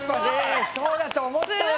そうだと思ったよ